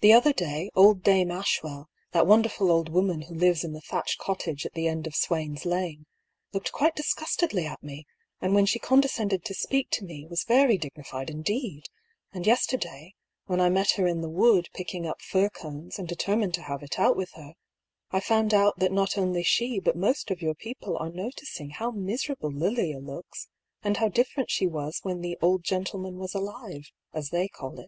The other day, old Dame Ashwell (that wonderful old woman who lives in the thatched cottage at the end of Swain's Lane) looked quite disgustedly at me, and when she conde scended to speak to me, was very dignified indeed ; and yesterday, when I met her in the wood picking up fir DIARY OF HUGH PAULL. I43 cones and determined to have it out with her, I found out that not only she but most of your people are no ticing how miserable Lilia looks, and how different she was when the ' old gentleman was alive,' as they call it."